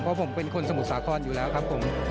ก็ผมเป็นคนสมุดสาขนอยู่แล้วครับผม